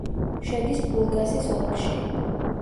შედის ბურგასის ოლქში.